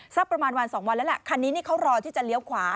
สักประมาณวันสองวันแล้วแหละคันนี้นี่เขารอที่จะเลี้ยวขวา